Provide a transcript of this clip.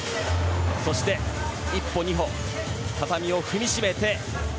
そして１歩、２歩、畳を踏みしめて。